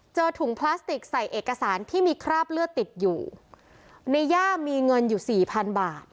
ถุงพลาสติกใส่เอกสารที่มีคราบเลือดติดอยู่ในย่ามีเงินอยู่สี่พันบาท